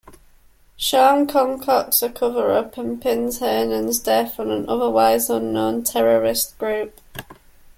Shorn concocts a coverup and pins Hernan's death on an otherwise unknown terrorist group.